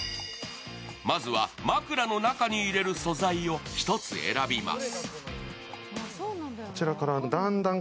まずは枕の中に入れる素材を１つ選びます。